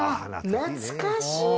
懐かしい。